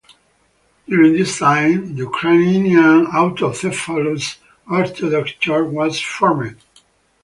During this time the Ukrainian Autocephalous Orthodox Church was formed.